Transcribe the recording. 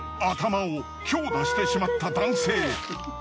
頭を強打してしまった男性。